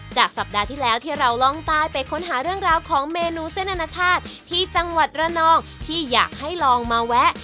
สัปดาห์ที่แล้วที่เราล่องใต้ไปค้นหาเรื่องราวของเมนูเส้นอนาชาติที่จังหวัดระนองที่อยากให้ลองมาแวะ